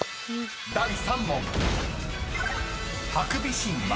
［第３問］